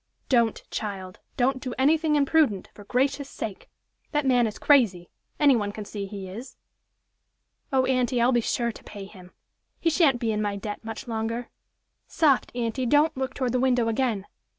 "Don't child! don't do anything imprudent, for gracious' sake! That man is crazy any one can see he is!" "Oh, aunty, I'll be sure to pay him! He shan't be in my debt much longer. Soft, aunty! Don't look toward the window again!